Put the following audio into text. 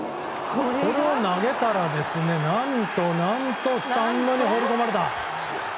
これを投げたら何と、何とスタンドに放り込まれた。